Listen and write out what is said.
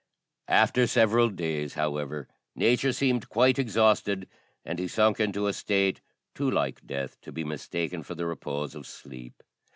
After several days, however, nature seemed quite exhausted, and he sunk into a state too like death to be mistaken for the repose of sleep.